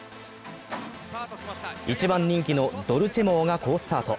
一番人気のドルチェモアが好スタート。